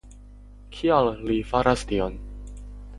Kial li faras tion?